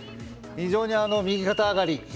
非常に右肩上がり